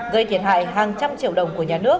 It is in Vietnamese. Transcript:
gây thiền hại hàng